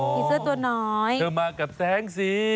เสื้อตัวน้อยเธอมากับแซงสิ